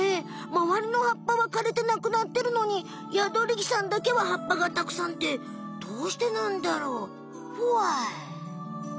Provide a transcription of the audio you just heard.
まわりのはっぱはかれてなくなってるのにヤドリギさんだけははっぱがたくさんってどうしてなんだろう？ホワイ？